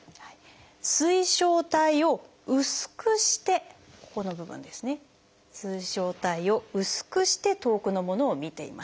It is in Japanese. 水晶体を薄くしてここの部分ですね水晶体を薄くして遠くのものを見ています。